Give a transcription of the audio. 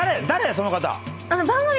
その方。